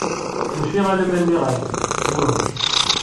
Mačči alamma nniɣ-ak-d: mmuhh.